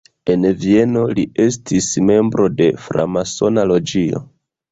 En Vieno li estis membro de framasona loĝio.